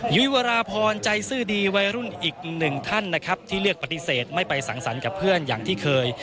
ยุ้ยวราพรใจซื่อดีวัยรุ่นอีกหนึ่งท่านนะครับที่เลือกปฏิเสธไม่ไปสังสรรค์กับเพื่อนอย่างที่เคย